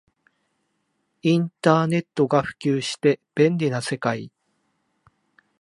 インターネットが普及して便利な世界